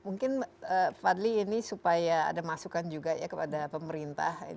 dan mungkin fadli ini supaya ada masukan juga ya kepada pemerintah